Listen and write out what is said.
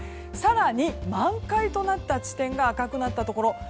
更に、満開となった地点が赤くなったところ。